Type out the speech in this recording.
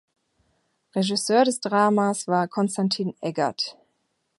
Regisseur des Dramas war Konstantin Eggert.